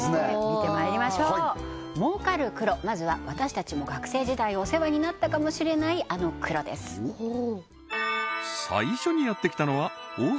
見てまいりましょう儲かる黒まずは私たちも学生時代お世話になったかもしれないあの黒ですおっ？